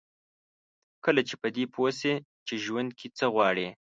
کله چې په دې پوه شئ چې ژوند کې څه غواړئ.